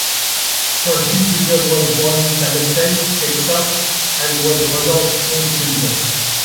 Percy junior was born in Palestine, Texas and was one of four children.